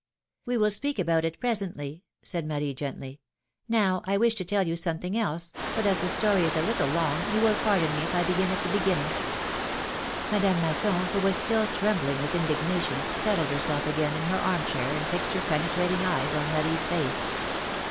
^^ We will speak about it presently,'' said Marie, gently. ^^Now, I wish to tell you something else, but as the story is a little long, you will pardon me if I begin at the beginning." Madame Masson, who was still trembling with indig nation, settled herself again in her arm chair and fixed her penetrating eyes on Marie's face.